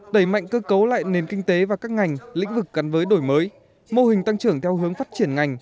đẩy mạnh cơ cấu lại nền kinh tế và các ngành lĩnh vực gắn với đổi mới mô hình tăng trưởng theo hướng phát triển ngành